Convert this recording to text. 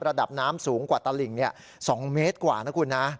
ระดับน้ำสูงกว่าตลิ่ง๒เมตรกว่านะคุณนะ